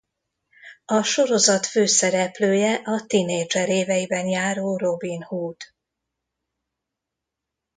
A sorozat főszereplője a tinédzser éveiben járó Robin Hood.